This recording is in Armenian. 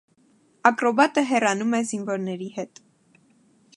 Ակրոբատը հեռանում է զինվորների հետ։